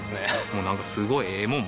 もうなんかすごいええもん